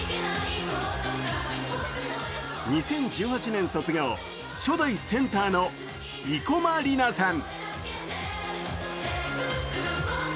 ２０１８年卒業、初代センターの生駒里奈さん。